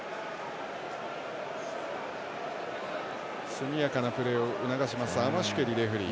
速やかなプレーを促しますアマシュケリレフリー。